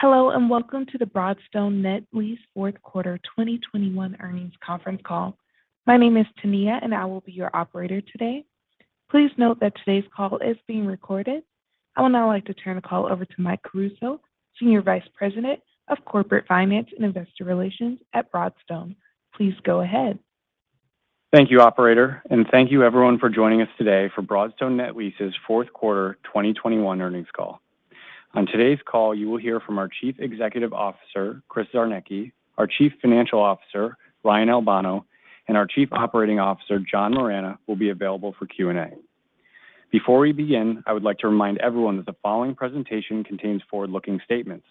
Hello, and welcome to the Broadstone Net Lease Fourth Quarter 2021 Earnings Conference call. My name is Tania, and I will be your operator today. Please note that today's call is being recorded. I would now like to turn the call over to Mike Caruso, Senior Vice President of Corporate Finance and Investor Relations at Broadstone. Please go ahead. Thank you, operator, and thank you everyone for joining us today for Broadstone Net Lease's fourth quarter 2021 earnings call. On today's call, you will hear from our Chief Executive Officer, Chris Czarnecki, our Chief Financial Officer, Ryan Albano, and our Chief Operating Officer, John Moragne, will be available for Q&A. Before we begin, I would like to remind everyone that the following presentation contains forward-looking statements,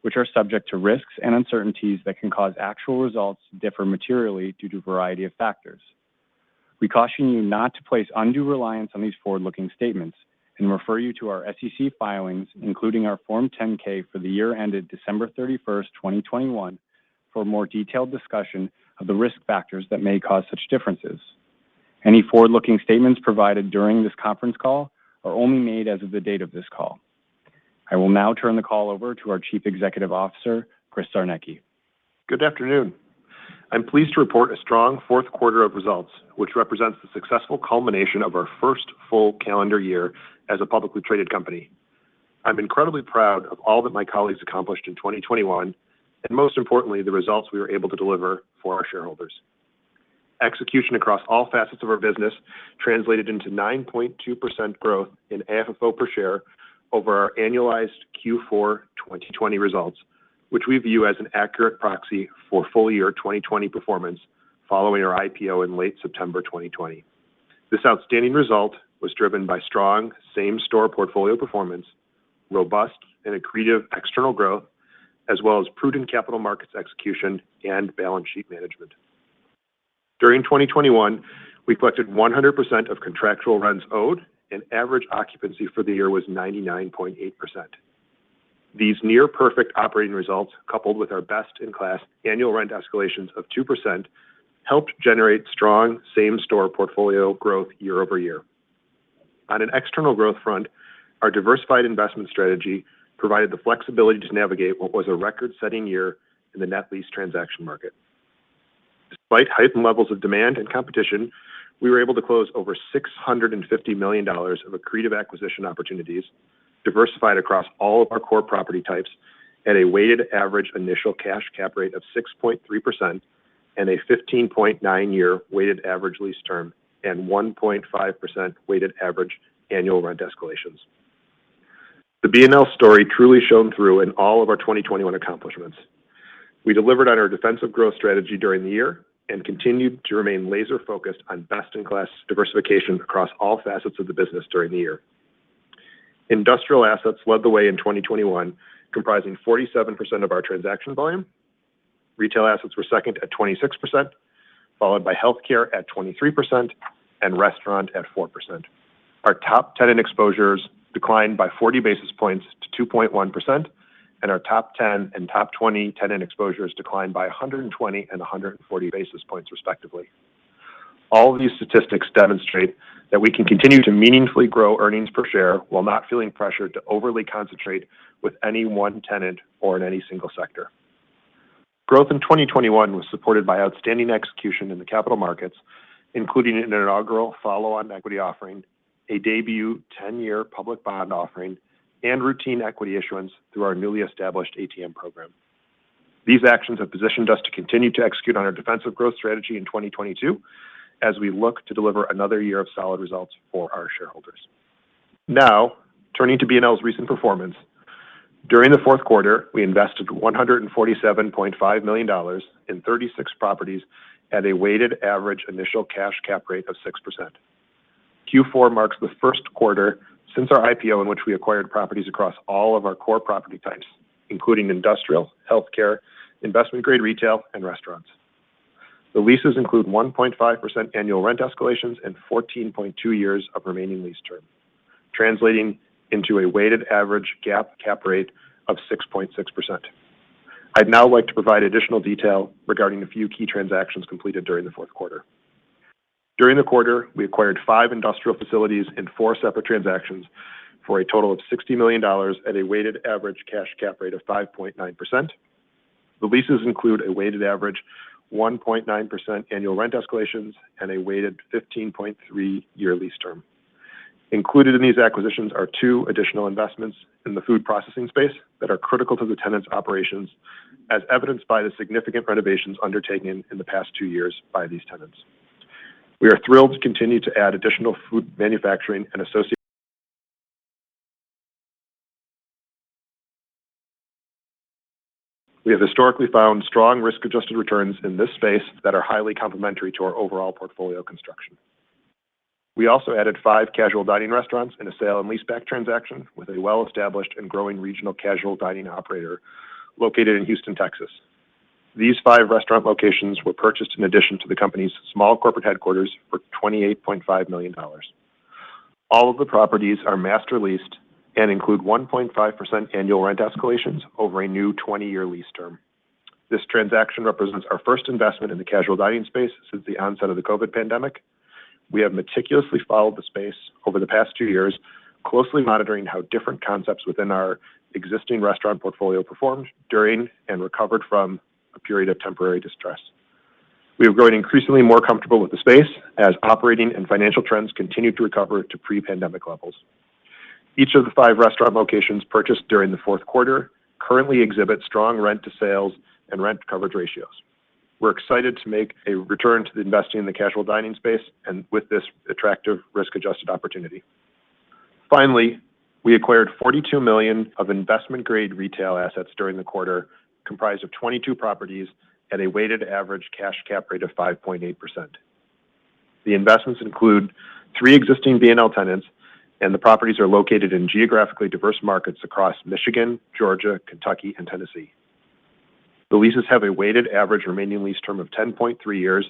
which are subject to risks and uncertainties that can cause actual results to differ materially due to a variety of factors. We caution you not to place undue reliance on these forward-looking statements and refer you to our SEC filings, including our Form 10-K for the year ended December 31, 2021 for a more detailed discussion of the risk factors that may cause such differences. Any forward-looking statements provided during this conference call are only made as of the date of this call. I will now turn the call over to our Chief Executive Officer, Chris Czarnecki. Good afternoon. I'm pleased to report a strong fourth quarter of results, which represents the successful culmination of our first full calendar year as a publicly traded company. I'm incredibly proud of all that my colleagues accomplished in 2021, and most importantly, the results we were able to deliver for our shareholders. Execution across all facets of our business translated into 9.2% growth in AFFO per share over our annualized Q4 2020 results, which we view as an accurate proxy for full year 2020 performance following our IPO in late September 2020. This outstanding result was driven by strong same-store portfolio performance, robust and accretive external growth, as well as prudent capital markets execution and balance sheet management. During 2021, we collected 100% of contractual rents owed, and average occupancy for the year was 99.8%. These near-perfect operating results, coupled with our best-in-class annual rent escalations of 2%, helped generate strong same-store portfolio growth year-over-year. On an external growth front, our diversified investment strategy provided the flexibility to navigate what was a record-setting year in the net lease transaction market. Despite heightened levels of demand and competition, we were able to close over $650 million of accretive acquisition opportunities diversified across all of our core property types at a weighted average initial cash cap rate of 6.3% and a 15.9-year weighted average lease term and 1.5% weighted average annual rent escalations. The BNL story truly shone through in all of our 2021 accomplishments. We delivered on our defensive growth strategy during the year and continued to remain laser focused on best in class diversification across all facets of the business during the year. Industrial assets led the way in 2021, comprising 47% of our transaction volume. Retail assets were second at 26%, followed by healthcare at 23%, and restaurant at 4%. Our top tenant exposures declined by 40 basis points to 2.1%, and our top ten and top twenty tenant exposures declined by 120 and 140 basis points, respectively. All of these statistics demonstrate that we can continue to meaningfully grow earnings per share while not feeling pressured to overly concentrate with any one tenant or in any single sector. Growth in 2021 was supported by outstanding execution in the capital markets, including an inaugural follow-on equity offering, a debut 10-year public bond offering, and routine equity issuance through our newly established ATM program. These actions have positioned us to continue to execute on our defensive growth strategy in 2022 as we look to deliver another year of solid results for our shareholders. Now, turning to BNL's recent performance. During the fourth quarter, we invested $147.5 million in 36 properties at a weighted average initial cash cap rate of 6%. Q4 marks the first quarter since our IPO in which we acquired properties across all of our core property types, including industrial, healthcare, investment grade retail, and restaurants. The leases include 1.5% annual rent escalations and 14.2 years of remaining lease term, translating into a weighted average GAAP cap rate of 6.6%. I'd now like to provide additional detail regarding a few key transactions completed during the fourth quarter. During the quarter, we acquired five industrial facilities in four separate transactions for a total of $60 million at a weighted average cash cap rate of 5.9%. The leases include a weighted average 1.9% annual rent escalations and a weighted-average 15.3-year lease term. Included in these acquisitions are two additional investments in the food processing space that are critical to the tenant's operations, as evidenced by the significant renovations undertaken in the past two years by these tenants. We are thrilled to continue to add additional food manufacturing and associate. We have historically found strong risk-adjusted returns in this space that are highly complementary to our overall portfolio construction. We also added five casual dining restaurants in a sale-leaseback transaction with a well-established and growing regional casual dining operator located in Houston, Texas. These five restaurant locations were purchased in addition to the company's small corporate headquarters for $28.5 million. All of the properties are master leased and include 1.5% annual rent escalations over a new 20-year lease term. This transaction represents our first investment in the casual dining space since the onset of the COVID pandemic. We have meticulously followed the space over the past two years, closely monitoring how different concepts within our existing restaurant portfolio performed during and recovered from a period of temporary distress. We have grown increasingly more comfortable with the space as operating and financial trends continue to recover to pre-pandemic levels. Each of the five restaurant locations purchased during the fourth quarter currently exhibit strong rent-to-sales and rent coverage ratios. We're excited to make a return to investing in the casual dining space and with this attractive risk-adjusted opportunity. Finally, we acquired 42 million of investment grade retail assets during the quarter, comprised of 22 properties at a weighted average cash cap rate of 5.8%. The investments include three existing BNL tenants, and the properties are located in geographically diverse markets across Michigan, Georgia, Kentucky, and Tennessee. The leases have a weighted average remaining lease term of 10.3 years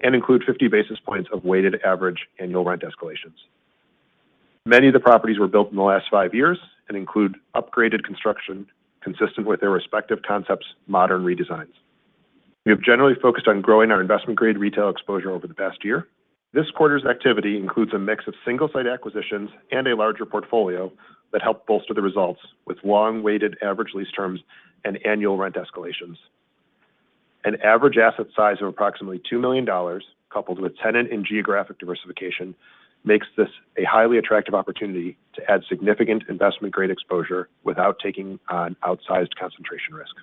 and include 50 basis points of weighted average annual rent escalations. Many of the properties were built in the last five years and include upgraded construction consistent with their respective concepts modern redesigns. We have generally focused on growing our investment grade retail exposure over the past year. This quarter's activity includes a mix of single-site acquisitions and a larger portfolio that help bolster the results with long weighted average lease terms and annual rent escalations. An average asset size of approximately $2 million, coupled with tenant and geographic diversification, makes this a highly attractive opportunity to add significant investment grade exposure without taking on outsized concentration risk.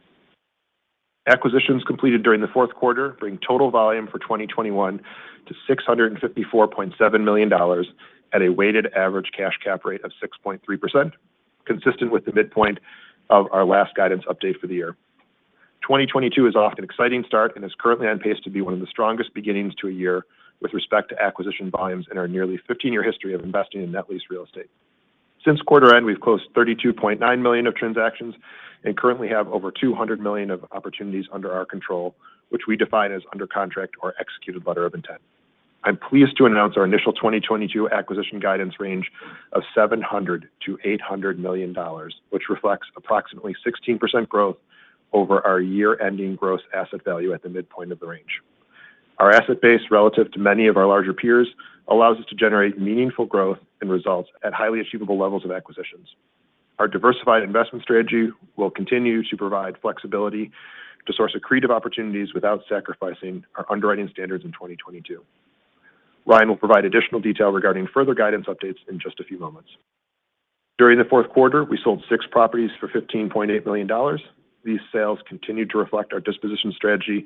Acquisitions completed during the fourth quarter bring total volume for 2021 to $654.7 million at a weighted average cash cap rate of 6.3%, consistent with the midpoint of our last guidance update for the year. 2022 is off to an exciting start and is currently on pace to be one of the strongest beginnings to a year with respect to acquisition volumes in our nearly 15-year history of investing in net lease real estate. Since quarter end, we've closed 32.9 million of transactions and currently have over 200 million of opportunities under our control, which we define as under contract or executed letter of intent. I'm pleased to announce our initial 2022 acquisition guidance range of $700 million-$800 million, which reflects approximately 16% growth over our year-ending gross asset value at the midpoint of the range. Our asset base relative to many of our larger peers allows us to generate meaningful growth and results at highly achievable levels of acquisitions. Our diversified investment strategy will continue to provide flexibility to source accretive opportunities without sacrificing our underwriting standards in 2022. Ryan will provide additional detail regarding further guidance updates in just a few moments. During the fourth quarter, we sold six properties for $15.8 million. These sales continue to reflect our disposition strategy,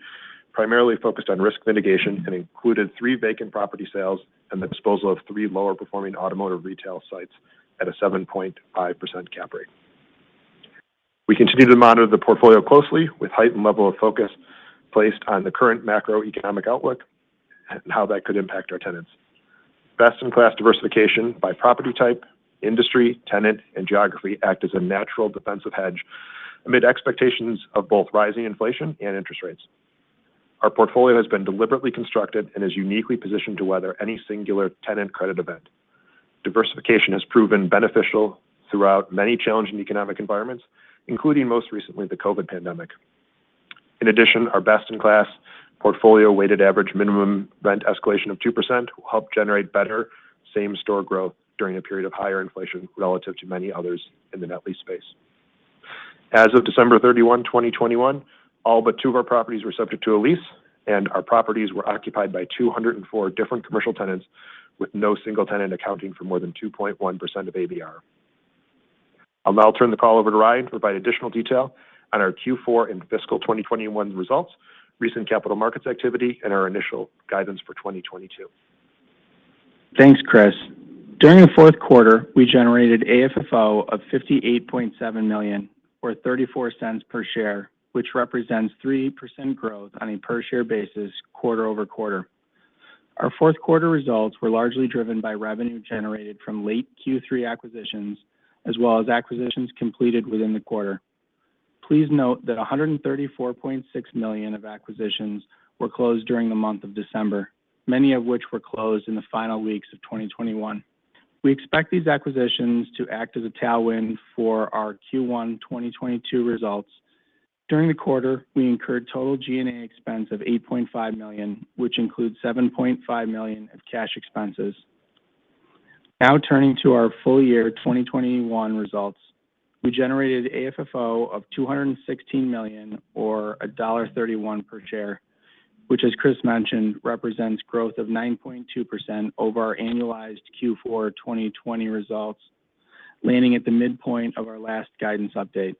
primarily focused on risk mitigation and included three vacant property sales and the disposal of three lower performing automotive retail sites at a 7.5% cap rate. We continue to monitor the portfolio closely with heightened level of focus placed on the current macroeconomic outlook and how that could impact our tenants. Best in class diversification by property type, industry, tenant, and geography act as a natural defensive hedge amid expectations of both rising inflation and interest rates. Our portfolio has been deliberately constructed and is uniquely positioned to weather any singular tenant credit event. Diversification has proven beneficial throughout many challenging economic environments, including most recently, the COVID pandemic. In addition, our best in class portfolio weighted average minimum rent escalation of 2% will help generate better same store growth during a period of higher inflation relative to many others in the net lease space. As of December 31, 2021, all but two of our properties were subject to a lease, and our properties were occupied by 204 different commercial tenants, with no single tenant accounting for more than 2.1% of ABR. I'll now turn the call over to Ryan to provide additional detail on our Q4 and fiscal 2021 results, recent capital markets activity, and our initial guidance for 2022. Thanks, Chris. During the fourth quarter, we generated AFFO of 58.7 million or 0.34 per share, which represents 3% growth on a per share basis quarter-over-quarter. Our fourth quarter results were largely driven by revenue generated from late Q3 acquisitions as well as acquisitions completed within the quarter. Please note that 134.6 million of acquisitions were closed during the month of December, many of which were closed in the final weeks of 2021. We expect these acquisitions to act as a tailwind for our Q1 2022 results. During the quarter, we incurred total G&A expense of 8.5 million, which includes 7.5 million of cash expenses. Now turning to our full year 2021 results. We generated AFFO of 216 million or $1.31 per share, which, as Chris mentioned, represents growth of 9.2% over our annualized Q4 2020 results, landing at the midpoint of our last guidance update.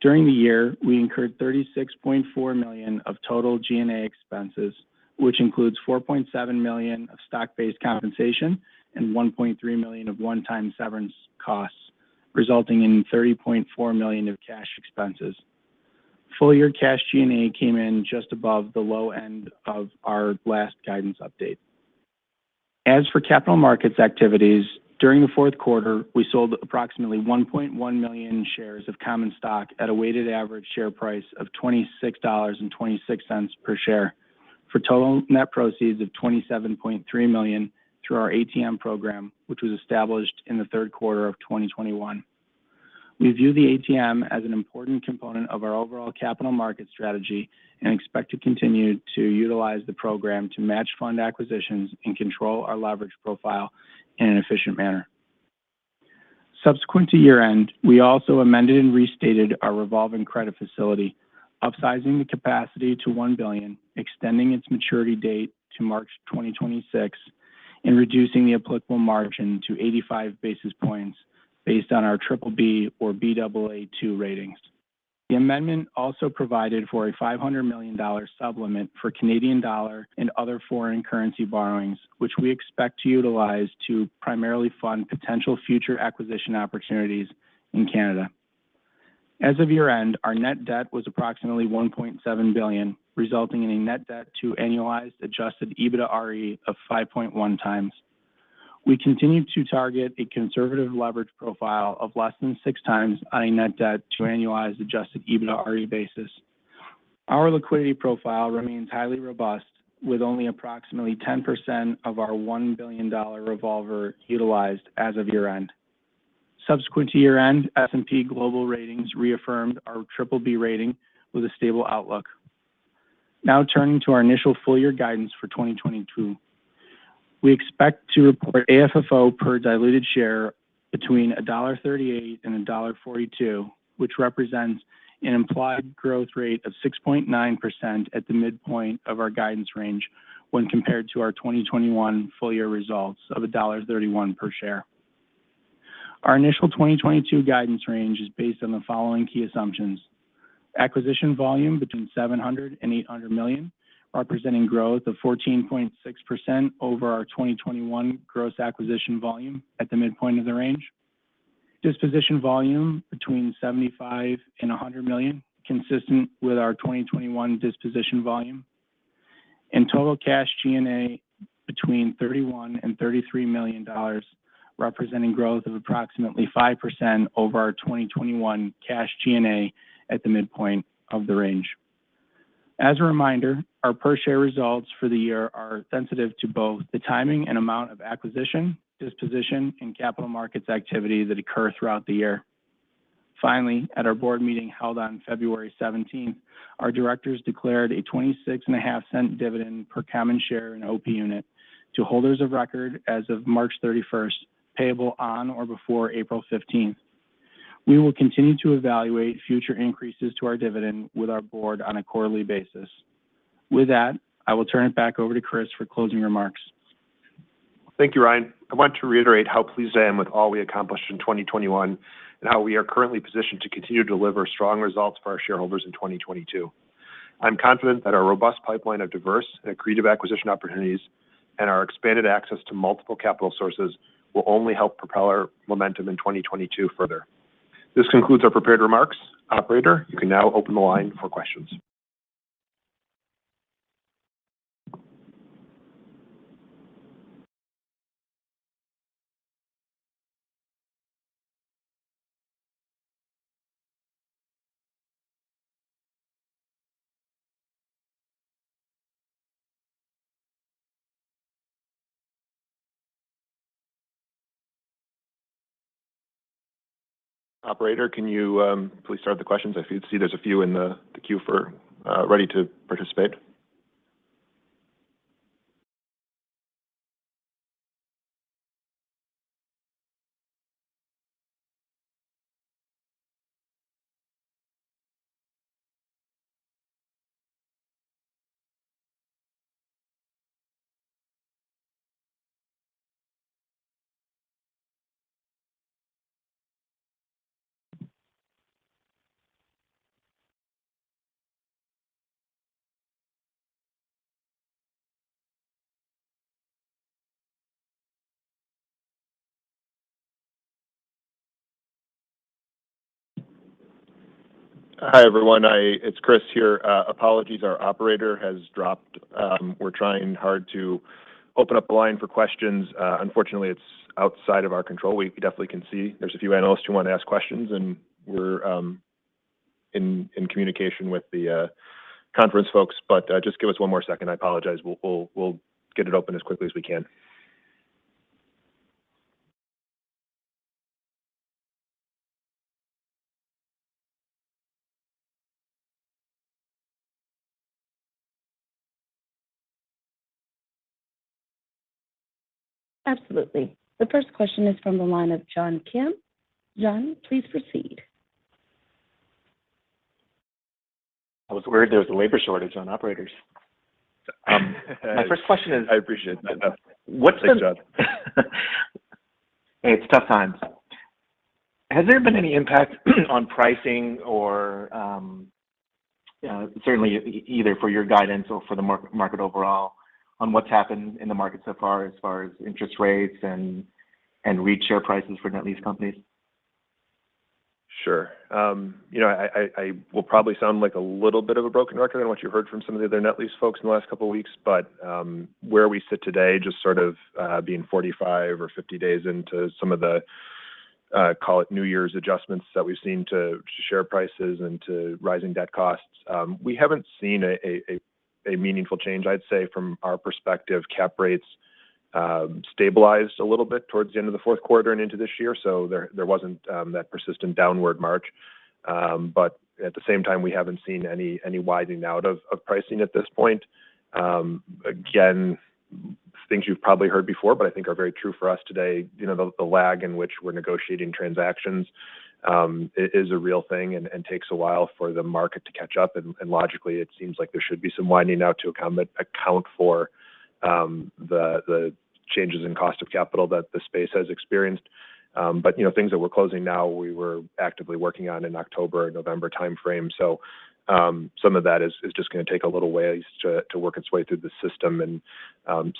During the year, we incurred 36.4 million of total G&A expenses, which includes 4.7 million of stock-based compensation and 1.3 million of one-time severance costs, resulting in 30.4 million of cash expenses. Full year cash G&A came in just above the low end of our last guidance update. As for capital markets activities, during the fourth quarter, we sold approximately 1.1 million shares of common stock at a weighted average share price of $26.26 per share for total net proceeds of 27.3 million through our ATM program, which was established in the third quarter of 2021. We view the ATM as an important component of our overall capital market strategy and expect to continue to utilize the program to match fund acquisitions and control our leverage profile in an efficient manner. Subsequent to year-end, we also amended and restated our revolving credit facility, upsizing the capacity to 1 billion, extending its maturity date to March 2026, and reducing the applicable margin to 85 basis points based on our BBB or Baa2 ratings. The amendment also provided for a 500 million dollar supplement for Canadian dollar and other foreign currency borrowings, which we expect to utilize to primarily fund potential future acquisition opportunities in Canada. As of year-end, our net debt was approximately 1.7 billion, resulting in a net debt to annualized adjusted EBITDARE of 5.1 times. We continue to target a conservative leverage profile of less than six times our net debt to annualized adjusted EBITDARE basis. Our liquidity profile remains highly robust, with only approximately 10% of our $1 billion revolver utilized as of year-end. Subsequent to year-end, S&P Global Ratings reaffirmed our BBB rating with a stable outlook. Now turning to our initial full year guidance for 2022. We expect to report AFFO per diluted share between $1.38 and $1.42, which represents an implied growth rate of 6.9% at the midpoint of our guidance range when compared to our 2021 full year results of $1.31 per share. Our initial 2022 guidance range is based on the following key assumptions. Acquisition volume between 700 million and 800 million, representing growth of 14.6% over our 2021 gross acquisition volume at the midpoint of the range. Disposition volume between $75 million and $100 million, consistent with our 2021 disposition volume. Total cash G&A between $31 million and $33 million, representing growth of approximately 5% over our 2021 cash G&A at the midpoint of the range. As a reminder, our per share results for the year are sensitive to both the timing and amount of acquisition, disposition, and capital markets activity that occur throughout the year. Finally, at our board meeting held on February seventeenth, our directors declared a 0.265 dividend per common share and OP Unit to holders of record as of March thirty-first, payable on or before April fifteenth. We will continue to evaluate future increases to our dividend with our board on a quarterly basis. With that, I will turn it back over to Chris for closing remarks. Thank you, Ryan. I want to reiterate how pleased I am with all we accomplished in 2021 and how we are currently positioned to continue to deliver strong results for our shareholders in 2022. I'm confident that our robust pipeline of diverse and accretive acquisition opportunities and our expanded access to multiple capital sources will only help propel our momentum in 2022 further. This concludes our prepared remarks. Operator, you can now open the line for questions. Operator, can you please start the questions? I see there's a few in the queue ready to participate. Hi, everyone. It's Chris here. Apologies, our operator has dropped. We're trying hard to open up the line for questions. Unfortunately, it's outside of our control. We definitely can see there's a few analysts who want to ask questions, and we're in communication with the conference folks. But just give us one more second. I apologize. We'll get it open as quickly as we can. Absolutely. The first question is from the line of John Kim. John, please proceed. I was worried there was a labor shortage on operators. My first question is. I appreciate that. What's been- Thanks, John. Hey, it's tough times. Has there been any impact on pricing or, certainly either for your guidance or for the market overall on what's happened in the market so far as far as interest rates and REIT share prices for net lease companies? Sure. You know, I will probably sound like a little bit of a broken record on what you heard from some of the other net lease folks in the last couple of weeks. Where we sit today, just sort of being 45 or 50 days into some of the, call it New Year's adjustments that we've seen to share prices and to rising debt costs, we haven't seen a meaningful change. I'd say from our perspective, cap rates stabilized a little bit towards the end of the fourth quarter and into this year, so there wasn't that persistent downward march. At the same time, we haven't seen any widening out of pricing at this point. Again, things you've probably heard before, but I think are very true for us today, you know, the lag in which we're negotiating transactions is a real thing and takes a while for the market to catch up. Logically it seems like there should be some widening out to account for the changes in cost of capital that the space has experienced. You know, things that we're closing now, we were actively working on in October and November timeframe. Some of that is just gonna take a little ways to work its way through the system.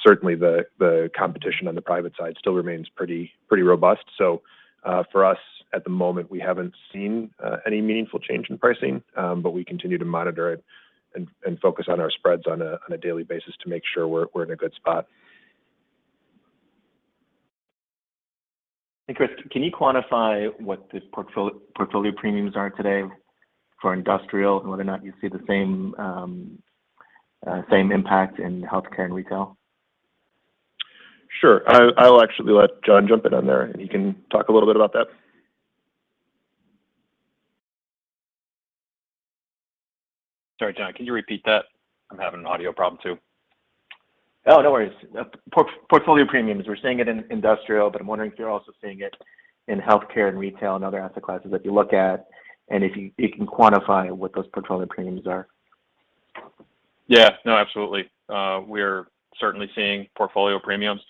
Certainly the competition on the private side still remains pretty robust. For us at the moment, we haven't seen any meaningful change in pricing. We continue to monitor it and focus on our spreads on a daily basis to make sure we're in a good spot. Chris, can you quantify what the portfolio premiums are today for industrial and whether or not you see the same impact in healthcare and retail? Sure. I'll actually let John jump in on there, and he can talk a little bit about that. Sorry, John, can you repeat that? I'm having an audio problem too. Oh, no worries. Portfolio premiums. We're seeing it in industrial, but I'm wondering if you're also seeing it in healthcare and retail and other asset classes that you look at, and if you can quantify what those portfolio premiums are. Yeah. No, absolutely. We're certainly seeing portfolio premiums,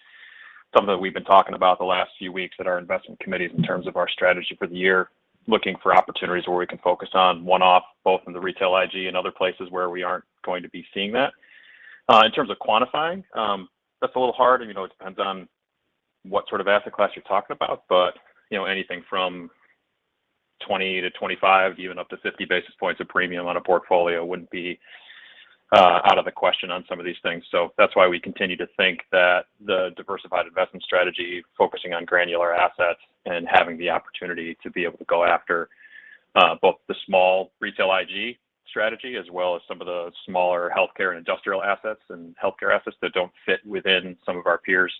something that we've been talking about the last few weeks at our investment committees in terms of our strategy for the year. Looking for opportunities where we can focus on one-off, both in the retail IG and other places where we aren't going to be seeing that. In terms of quantifying, that's a little hard and, you know, it depends on what sort of asset class you're talking about. You know, anything from 20-25 basis points, even up to 50 basis points of premium on a portfolio wouldn't be out of the question on some of these things. That's why we continue to think that the diversified investment strategy, focusing on granular assets and having the opportunity to be able to go after both the small retail IG strategy as well as some of the smaller healthcare and industrial assets that don't fit within some of our peers'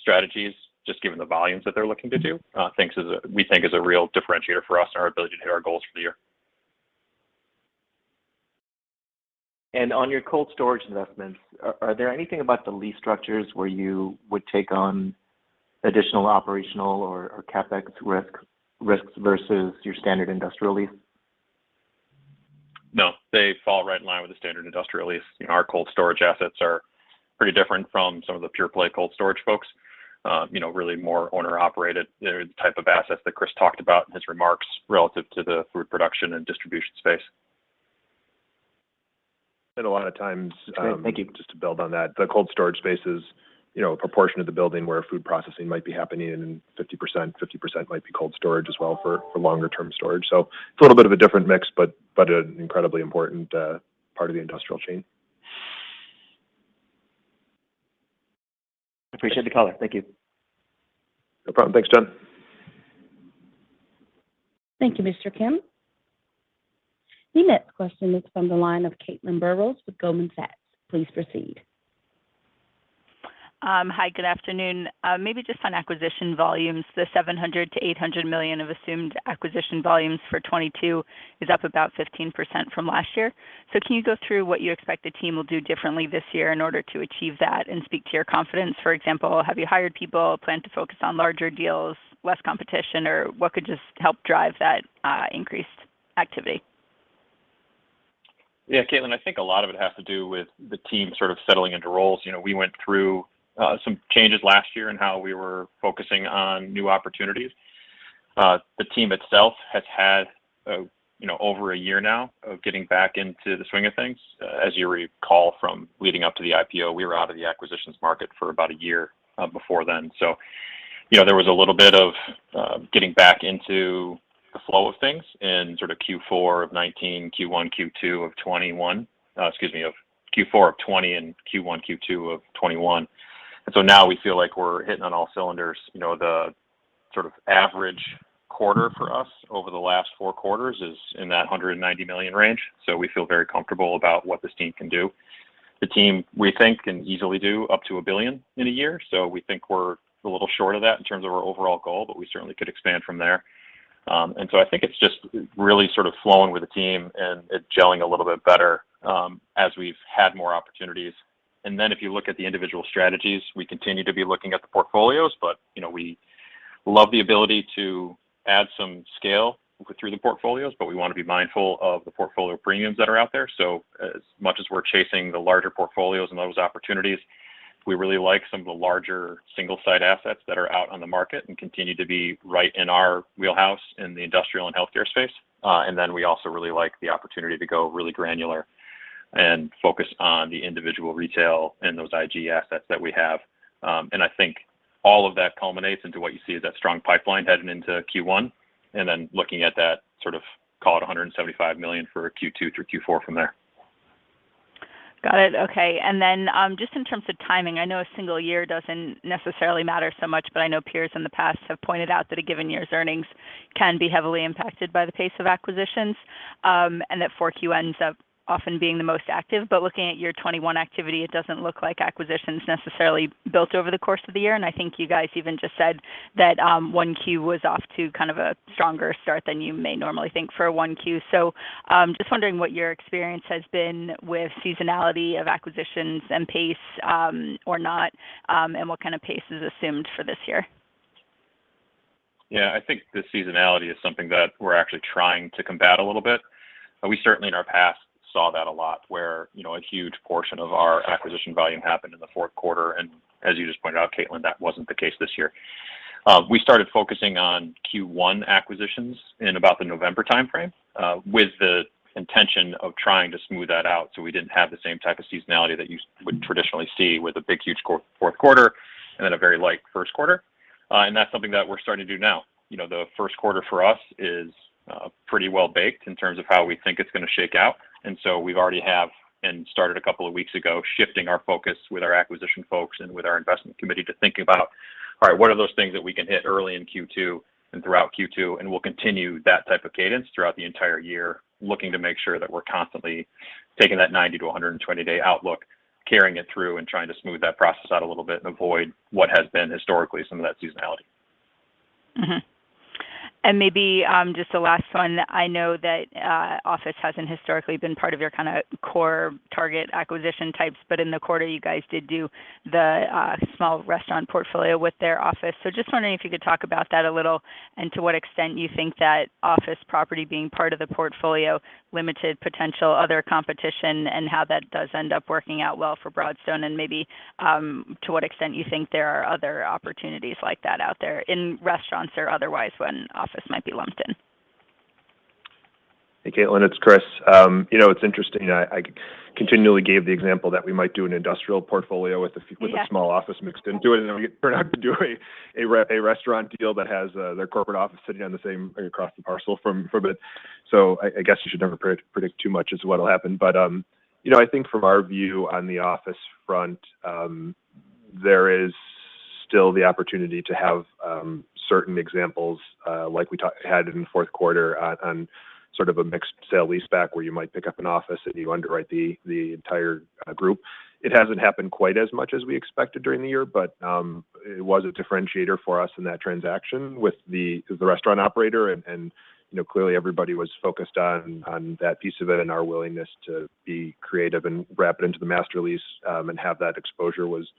strategies, just given the volumes that they're looking to do, we think is a real differentiator for us and our ability to hit our goals for the year. On your cold storage investments, are there anything about the lease structures where you would take on additional operational or CapEx risks versus your standard industrial lease? No, they fall right in line with the standard industrial lease. You know, our cold storage assets are pretty different from some of the pure play cold storage folks. You know, really more owner operated. They're the type of assets that Chris talked about in his remarks relative to the food production and distribution space. A lot of times, Great. Thank you. just to build on that, the cold storage space is, you know, a proportion of the building where food processing might be happening and 50% might be cold storage as well for longer term storage. It's a little bit of a different mix, but an incredibly important part of the industrial chain. Appreciate the color. Thank you. No problem. Thanks, John. Thank you, Mr. Kim. The next question is from the line of Caitlin Burrows with Goldman Sachs. Please proceed. Hi, good afternoon. Maybe just on acquisition volumes. The 700 million-800 million of assumed acquisition volumes for 2022 is up about 15% from last year. Can you go through what you expect the team will do differently this year in order to achieve that and speak to your confidence? For example, have you hired people, plan to focus on larger deals, less competition, or what could just help drive that, increased activity? Yeah, Caitlin, I think a lot of it has to do with the team sort of settling into roles. You know, we went through some changes last year in how we were focusing on new opportunities. The team itself has had, you know, over a year now of getting back into the swing of things. As you recall from leading up to the IPO, we were out of the acquisitions market for about a year before then. You know, there was a little bit of getting back into the flow of things in sort of Q4 of 2019, Q1, Q2 of 2021. Excuse me, of Q4 of 2020 and Q1, Q2 of 2021. Now we feel like we're hitting on all cylinders. You know, the sort of average quarter for us over the last four quarters is in that 190 million range, so we feel very comfortable about what this team can do. The team, we think, can easily do up to 1 billion in a year, so we think we're a little short of that in terms of our overall goal, but we certainly could expand from there. I think it's just really sort of flowing with the team and it gelling a little bit better, as we've had more opportunities. If you look at the individual strategies, we continue to be looking at the portfolios, but you know, we love the ability to add some scale through the portfolios, but we wanna be mindful of the portfolio premiums that are out there. As much as we're chasing the larger portfolios and those opportunities, we really like some of the larger single site assets that are out on the market and continue to be right in our wheelhouse in the industrial and healthcare space. We also really like the opportunity to go really granular and focus on the individual retail and those IG assets that we have. I think all of that culminates into what you see as that strong pipeline heading into Q1, and then looking at that sort of call it 175 million for Q2 through Q4 from there. Got it. Okay. Just in terms of timing, I know a single year doesn't necessarily matter so much, but I know peers in the past have pointed out that a given year's earnings can be heavily impacted by the pace of acquisitions, and that Q4 ends up often being the most active. Looking at your 2021 activity, it doesn't look like acquisitions necessarily built over the course of the year. I think you guys even just said that Q1 was off to kind of a stronger start than you may normally think for a Q1. Just wondering what your experience has been with seasonality of acquisitions and pace, or not, and what kind of pace is assumed for this year. Yeah. I think the seasonality is something that we're actually trying to combat a little bit. We certainly in our past saw that a lot where, you know, a huge portion of our acquisition volume happened in the fourth quarter. As you just pointed out, Caitlin, that wasn't the case this year. We started focusing on Q1 acquisitions in about the November timeframe, with the intention of trying to smooth that out, so we didn't have the same type of seasonality that you would traditionally see with a big, huge fourth quarter and then a very light first quarter. That's something that we're starting to do now. You know, the first quarter for us is pretty well baked in terms of how we think it's gonna shake out. We already have started a couple of weeks ago shifting our focus with our acquisition folks and with our investment committee to think about, all right, what are those things that we can hit early in Q2 and throughout Q2, and we'll continue that type of cadence throughout the entire year, looking to make sure that we're constantly taking that 90-120-day outlook, carrying it through, and trying to smooth that process out a little bit and avoid what has been historically some of that seasonality. Maybe just the last one. I know that office hasn't historically been part of your kinda core target acquisition types, but in the quarter you guys did do the small restaurant portfolio with their office. Just wondering if you could talk about that a little and to what extent you think that office property being part of the portfolio limited potential other competition, and how that does end up working out well for Broadstone, and maybe to what extent you think there are other opportunities like that out there in restaurants or otherwise when office might be lumped in. Hey, Caitlin, it's Chris. You know, it's interesting. I continually gave the example that we might do an industrial portfolio. Yeah with a small office mixed into it, and we turn out to do a restaurant deal that has their corporate office sitting on the same parcel from it. I guess you should never predict too much as to what'll happen. You know, I think from our view on the office front, there is still the opportunity to have certain examples like we had in the fourth quarter on sort of a mixed sale-leaseback where you might pick up an office if you underwrite the entire group. It hasn't happened quite as much as we expected during the year, but it was a differentiator for us in that transaction with the restaurant operator and, you know, clearly everybody was focused on that piece of it and our willingness to be creative and wrap it into the master lease, and have that exposure was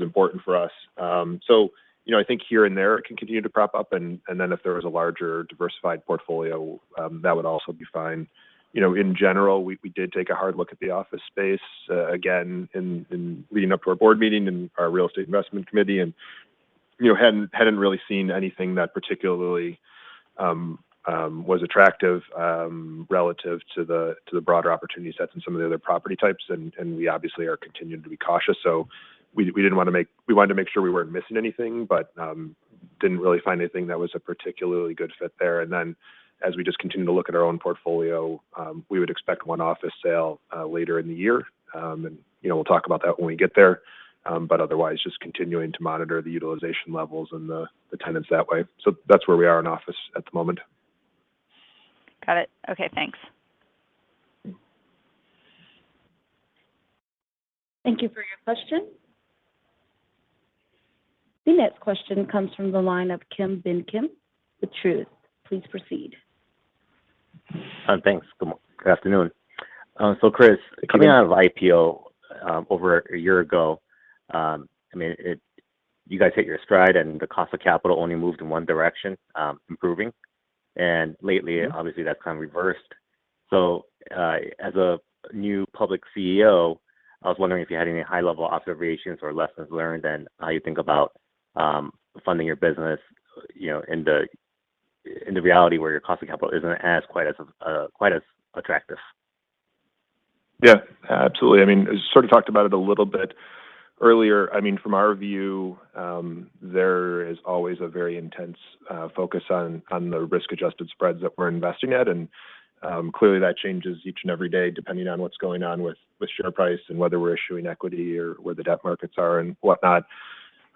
important for us. You know, I think here and there it can continue to prop up, and then if there was a larger diversified portfolio, that would also be fine. You know, in general, we did take a hard look at the office space, again in leading up to our board meeting and our real estate investment committee and, you know, hadn't really seen anything that particularly was attractive, relative to the broader opportunity sets in some of the other property types. We obviously are continuing to be cautious, so we wanted to make sure we weren't missing anything, but didn't really find anything that was a particularly good fit there. As we just continue to look at our own portfolio, we would expect one office sale later in the year, and, you know, we'll talk about that when we get there. Otherwise, just continuing to monitor the utilization levels and the tenants that way. That's where we are in office at the moment. Got it. Okay, thanks. Thank you for your question. The next question comes from the line of Ki Bin Kim with Truist. Please proceed. Thanks. Good afternoon. Chris- Yeah. Coming out of IPO, over a year ago, I mean, you guys hit your stride and the cost of capital only moved in one direction, improving. Lately- Mm-hmm... obviously that's kind of reversed. As a new public CEO, I was wondering if you had any high level observations or lessons learned and how you think about funding your business, you know, in the reality where your cost of capital isn't quite as attractive. Yeah, absolutely. I mean, I sort of talked about it a little bit earlier. I mean, from our view, there is always a very intense focus on the risk-adjusted spreads that we're investing at. Clearly that changes each and every day depending on what's going on with the share price and whether we're issuing equity or where the debt markets are and whatnot.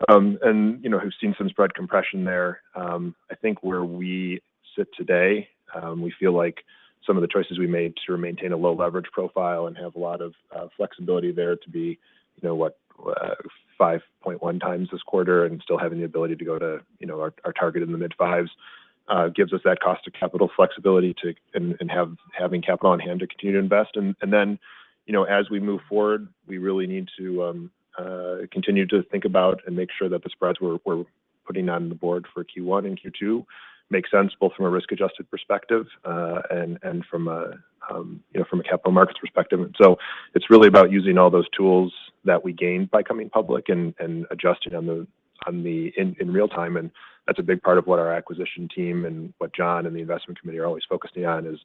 You know, have seen some spread compression there. I think where we sit today, we feel like some of the choices we made to maintain a low leverage profile and have a lot of flexibility there to be, you know, 5.1 times this quarter and still having the ability to go to, you know, our target in the mid-5s gives us that cost of capital flexibility to Having capital on hand to continue to invest. You know, as we move forward, we really need to continue to think about and make sure that the spreads we're putting on the board for Q1 and Q2 make sense both from a risk-adjusted perspective, and from a, you know, from a capital markets perspective. It's really about using all those tools that we gained by coming public and adjusting in real time. That's a big part of what our acquisition team and John and the investment committee are always focusing on is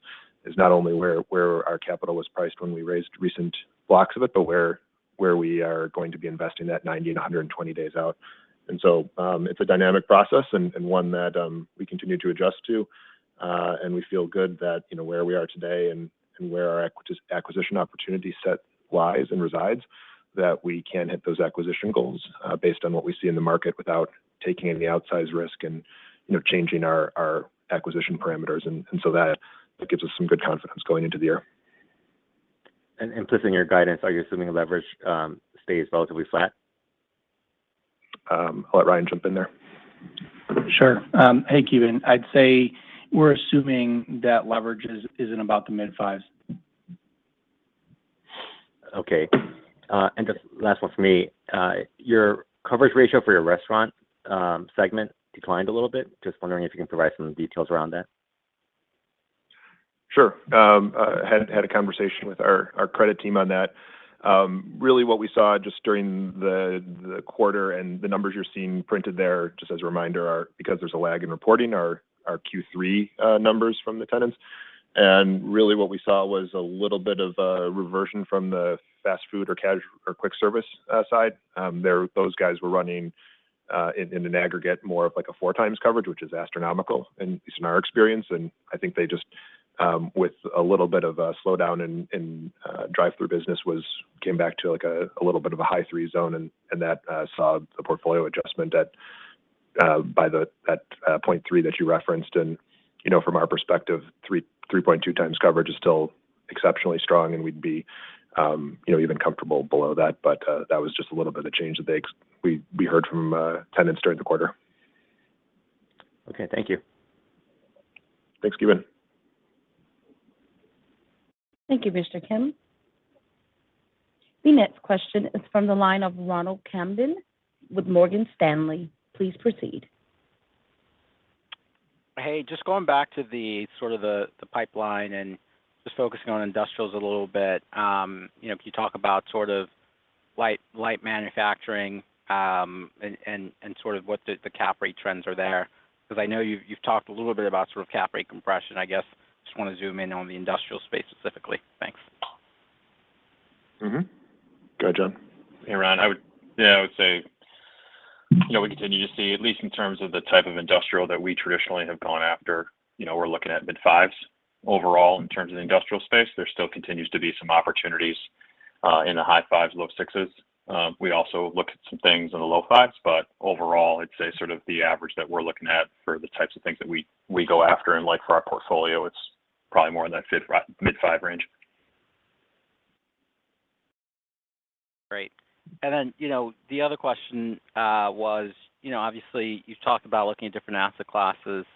not only where our capital was priced when we raised recent blocks of it, but where we are going to be investing that 90-120 days out. It's a dynamic process and one that we continue to adjust to. We feel good that, you know, where we are today and where our acquisition opportunity set lies and resides, that we can hit those acquisition goals based on what we see in the market without taking any outsized risk and, you know, changing our acquisition parameters. That gives us some good confidence going into the year. Implicit in your guidance, are you assuming leverage stays relatively flat? I'll let Ryan jump in there. Sure. Hey, Kevin. I'd say we're assuming that leverage is in about the mid-fives. Okay. Just last one from me. Your coverage ratio for your restaurant segment declined a little bit. Just wondering if you can provide some details around that? Sure. Had a conversation with our credit team on that. Really what we saw just during the quarter and the numbers you're seeing printed there, just as a reminder, are Q3 numbers from the tenants because there's a lag in reporting. Really what we saw was a little bit of a reversion from the fast food or quick service side. Those guys were running in an aggregate more of like a four times coverage, which is astronomical, at least in our experience. I think they just, with a little bit of a slowdown in drive-through business, came back to like a little bit of a high three zone and that saw a portfolio adjustment by the 0.3 that you referenced. From our perspective, 3.2 times coverage is still exceptionally strong, and we'd be, you know, even comfortable below that. That was just a little bit of change that we heard from tenants during the quarter. Okay. Thank you. Thanks, Kevin. Thank you, Mr. Kim. The next question is from the line of Ronald Kamdem with Morgan Stanley. Please proceed. Hey, just going back to the sort of pipeline and just focusing on industrials a little bit, you know, can you talk about sort of light manufacturing and sort of what the cap rate trends are there? 'Cause I know you've talked a little bit about sort of cap rate compression. I guess just wanna zoom in on the industrial space specifically. Thanks. Go ahead, John. Yeah, Ron, I would say, you know, we continue to see, at least in terms of the type of industrial that we traditionally have gone after, you know, we're looking at mid-fives. Overall, in terms of the industrial space, there still continues to be some opportunities in the high fives, low sixes. We also look at some things in the low fives, but overall, I'd say sort of the average that we're looking at for the types of things that we go after and like for our portfolio, it's probably more in that mid-five range. Great. The other question, you know, was, you know, obviously you've talked about looking at different asset classes,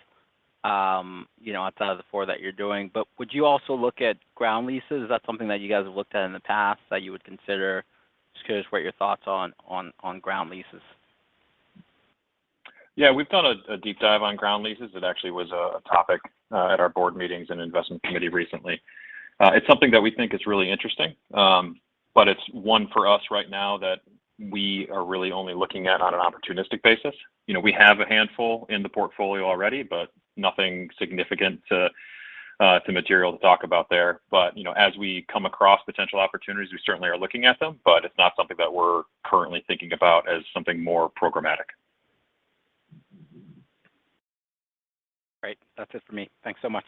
you know, outside of the four that you're doing. Would you also look at ground leases? Is that something that you guys have looked at in the past that you would consider? Just curious what your thoughts on ground leases. Yeah. We've done a deep dive on ground leases. It actually was a topic at our board meetings and investment committee recently. It's something that we think is really interesting. It's one for us right now that we are really only looking at on an opportunistic basis. You know, we have a handful in the portfolio already, but nothing significant too material to talk about there. You know, as we come across potential opportunities, we certainly are looking at them, but it's not something that we're currently thinking about as something more programmatic. Great. That's it for me. Thanks so much.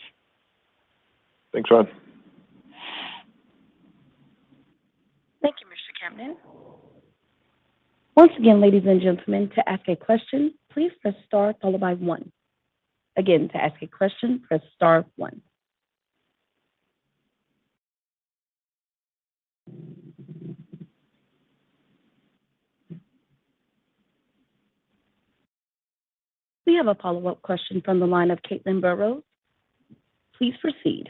Thanks, Ron. Thank you, Mr. Kamdem. Once again, ladies and gentlemen, to ask a question, please press star followed by one. Again, to ask a question, press star one. We have a follow-up question from the line of Caitlin Burrows. Please proceed.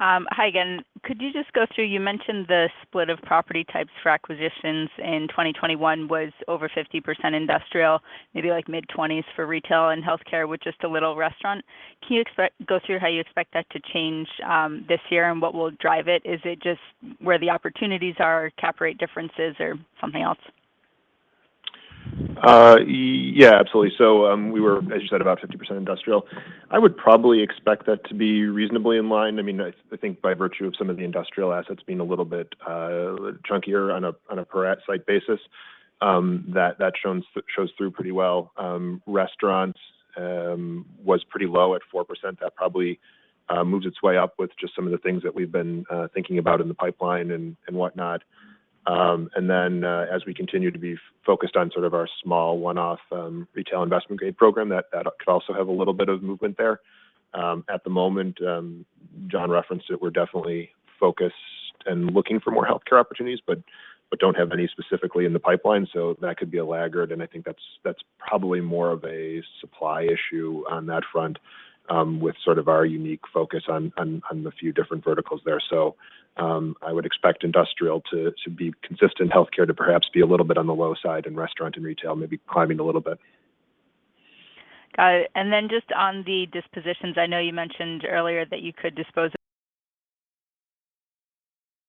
Hi again. Could you just go through. You mentioned the split of property types for acquisitions in 2021 was over 50% industrial, maybe like mid-20s for retail and healthcare with just a little restaurant. Can you go through how you expect that to change this year and what will drive it? Is it just where the opportunities are, cap rate differences, or something else? Yeah, absolutely. We were, as you said, about 50% industrial. I would probably expect that to be reasonably in line. I mean, I think by virtue of some of the industrial assets being a little bit chunkier on a per site basis, that shows through pretty well. Restaurants was pretty low at 4%. That probably moves its way up with just some of the things that we've been thinking about in the pipeline and whatnot. As we continue to be focused on sort of our small one-off retail investment grade program, that could also have a little bit of movement there. At the moment, John referenced that we're definitely focused and looking for more healthcare opportunities, but don't have any specifically in the pipeline, so that could be a laggard. I think that's probably more of a supply issue on that front, with sort of our unique focus on the few different verticals there. I would expect industrial to be consistent, healthcare to perhaps be a little bit on the low side, and restaurant and retail maybe climbing a little bit. Got it. Just on the dispositions, I know you mentioned earlier that you could dispose of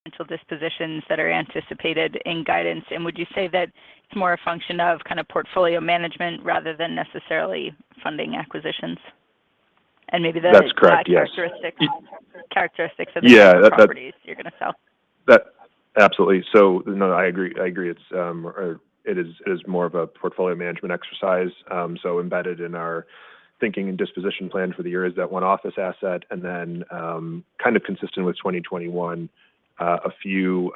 potential dispositions that are anticipated in guidance. Would you say that it's more a function of kind of portfolio management rather than necessarily funding acquisitions? Maybe the- That's correct. Yes. Characteristics of the properties you're gonna sell. Absolutely. No, I agree. It is more of a portfolio management exercise. Embedded in our thinking and disposition plan for the year is that one office asset and then, kind of consistent with 2021, a few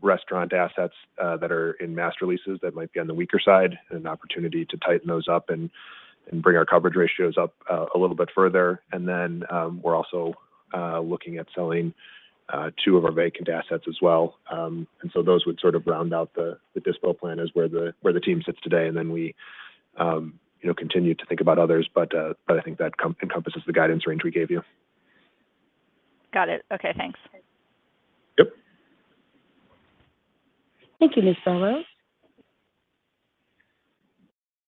restaurant assets that are in master leases that might be on the weaker side and an opportunity to tighten those up and bring our coverage ratios up a little bit further. We're also looking at selling two of our vacant assets as well. Those would sort of round out the dispo plan as where the team sits today, and then we, you know, continue to think about others. I think that encompasses the guidance range we gave you. Got it. Okay, thanks. Yep. Thank you, Ms. Burrows.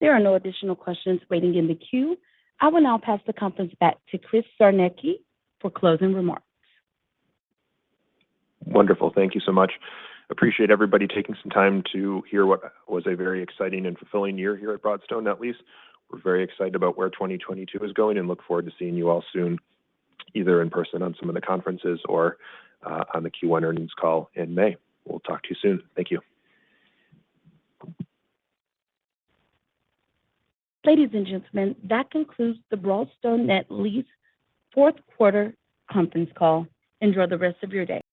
There are no additional questions waiting in the queue. I will now pass the conference back to Chris Czarnecki for closing remarks. Wonderful. Thank you so much. I appreciate everybody taking some time to hear what was a very exciting and fulfilling year here at Broadstone Net Lease. We're very excited about where 2022 is going and look forward to seeing you all soon, either in person on some of the conferences or on the Q1 earnings call in May. We'll talk to you soon. Thank you. Ladies and gentlemen, that concludes the Broadstone Net Lease fourth quarter conference call. Enjoy the rest of your day.